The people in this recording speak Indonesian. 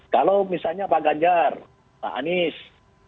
kalau misalnya pak ganjar pak anies